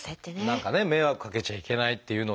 何かね迷惑かけちゃいけないっていうので。